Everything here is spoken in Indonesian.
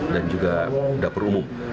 dan juga dapur umum